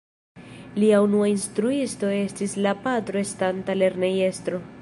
Lia unua instruisto estis la patro estanta lernejestro.